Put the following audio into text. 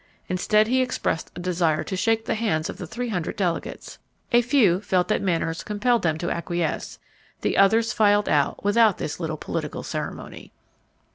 Instead he expressed a desire to shake the hands of the three hundred delegates. A few felt that manners compelled them to acquiesce; the others filed out without this little political ceremony.